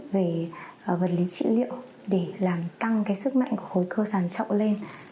về vật lý trị liệu để làm tăng cái sức mạnh của khối cơ sản trọng lên